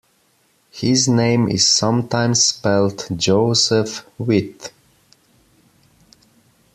His name is sometimes spelt Joseph Witt.